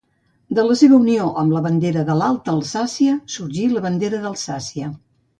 De la seva unió amb la bandera de l'Alta Alsàcia sorgí la bandera d'Alsàcia.